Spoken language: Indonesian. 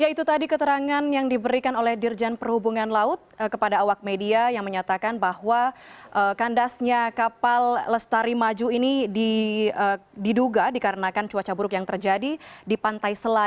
ya itu tadi keterangan yang diberikan oleh dirjen perhubungan laut kepada awak media yang menyatakan bahwa kandasnya kapal lestari maju ini diduga dikarenakan cuaca buruk yang terjadi di pantai selatan